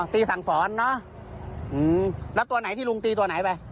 ตีสองตัวอ๋อตีสองตัว